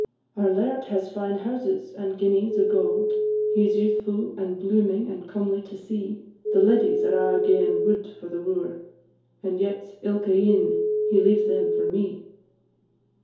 "Our laird has fine houses, and guineas o' gowd He 's youthfu', he 's blooming, and comely to see. The leddies are a' ga'en wud for the wooer, And yet, ilka e'ening, he leaves them for me.